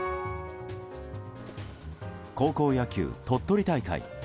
高校野球鳥取大会。